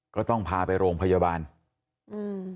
ก็ต้องพาไปโรงพยาบาลอืม